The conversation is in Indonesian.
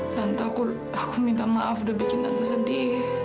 tante aku minta maaf udah bikin tante sedih